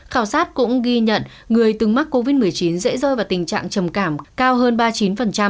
khảo sát cũng ghi nhận người từng mắc covid một mươi chín dễ rơi vào tình trạng trầm cảm cao hơn ba mươi chín